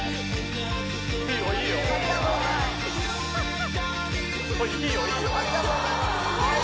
いいよいいよ。おっ！